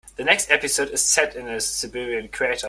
The next episode is set in a Siberian crater.